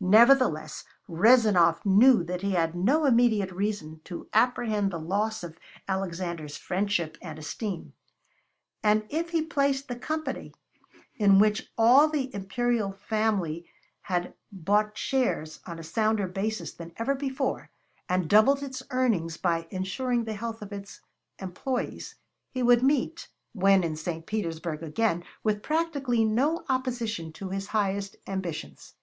Nevertheless, Rezanov knew that he had no immediate reason to apprehend the loss of Alexander's friendship and esteem; and if he placed the Company, in which all the imperial family had bought shares, on a sounder basis than ever before, and doubled its earnings by insuring the health of its employees, he would meet, when in St. Petersburg again, with practically no opposition to his highest ambitions.